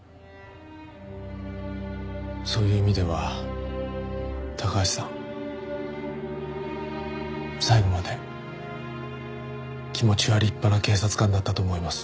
そういう意味では高橋さん最後まで気持ちは立派な警察官だったと思います。